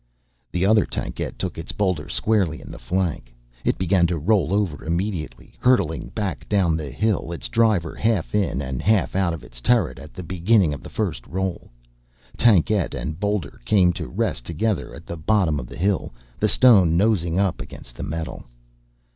The other tankette took its boulder squarely in the flank. It began to roll over immediately, hurtling back down the hill, its driver half in and half out of its turret at the beginning of the first roll. Tankette and boulder came to rest together at the bottom of the hill, the stone nosing up against the metal.